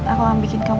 aku akan bikin kamu